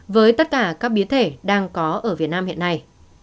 với tất cả các biến thể đang có ở việt nam hiện nay